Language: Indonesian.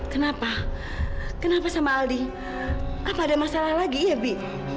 kenapa kenapa sama aldi apa ada masalah lagi ya bi